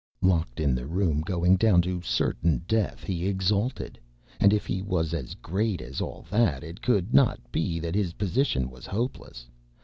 Locked in the room, going down to certain death, he exulted. And if he was as great as all that, it could not be that his position was hopeless.